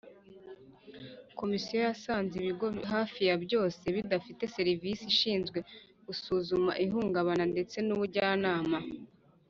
Komisiyo yasanze ibigo hafi ya byose bidafite serivisi ishinzwe gusuzuma ihungabana ndetse n ubujyanama